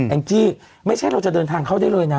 งจี้ไม่ใช่เราจะเดินทางเข้าได้เลยนะ